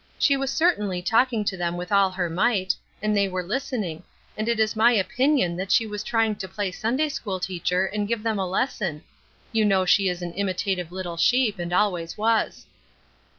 She was certainly talking to them with all her might, and they were listening; and it is my opinion that she was trying to play Sunday school teacher, and give them a lesson. You know she is an imitative little sheep, and always was."